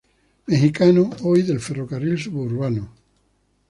Mexicano, hoy del ferrocarril suburbano.